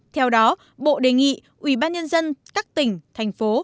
theo đó bộ đề nghị ủy ban nhân dân các tỉnh thành phố